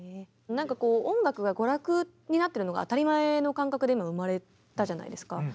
なんかこう音楽が娯楽になってるのが当たり前の感覚で生まれたじゃないですか。